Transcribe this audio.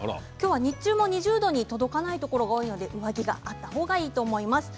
日中も２０度に届かないところも多いので上着があった方がいいと思います。